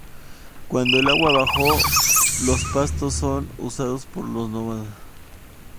Cuando el agua baja, los pastos son usados por los nómadas.